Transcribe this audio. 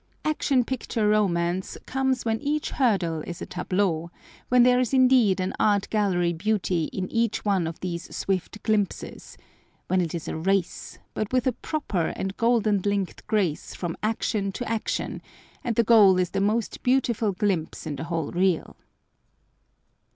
Action Picture romance comes when each hurdle is a tableau, when there is indeed an art gallery beauty in each one of these swift glimpses: when it is a race, but with a proper and golden linked grace from action to action, and the goal is the most beautiful glimpse in the whole reel.